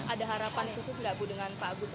ada harapan khusus nggak bu dengan pak agus